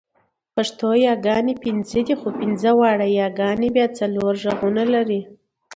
پښتو یاګانې پنځه دي، خو پنځه واړه یاګانې بیا څلور غږونه لري.